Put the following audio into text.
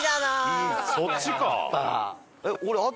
そっちか！